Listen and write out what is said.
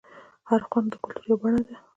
هر خوند د کلتور یوه بڼه ده.